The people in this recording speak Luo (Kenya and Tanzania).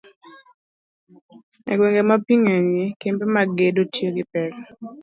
e gwenge ma pi ng'enyie, kembe mag gedo tiyo gi pesa